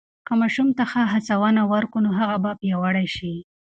که ماشوم ته ښه هڅونه ورکو، نو هغه به پیاوړی شي.